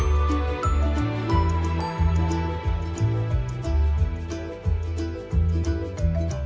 สวัสดีครับ